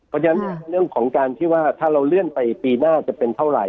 เพราะฉะนั้นเรื่องของการที่ว่าถ้าเราเลื่อนไปปีหน้าจะเป็นเท่าไหร